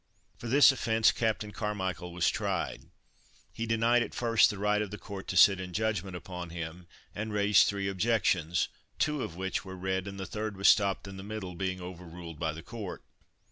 For this offence Captain Carmichael was tried. He denied at first the right of the court to sit in judgment upon him, and raised three objections, two of which were read, and the third was stopped in the middle, being overruled by the court.